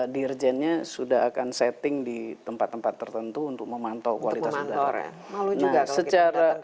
dirjennya sudah akan setting di tempat tempat tertentu untuk memantau kualitas udara